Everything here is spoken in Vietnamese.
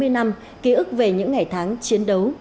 sáu mươi năm ký ức về những ngày tháng chiến đấu